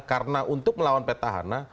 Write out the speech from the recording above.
karena untuk melawan petahana